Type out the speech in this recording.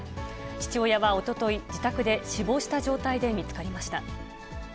父親はおととい、自宅で死亡した状態で見つかりました。